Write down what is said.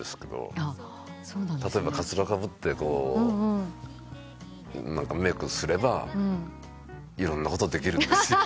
例えばかつらかぶってメークすればいろんなことできるんですよ。